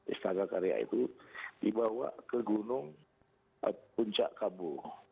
istaka karya itu dibawa ke gunung puncak kabu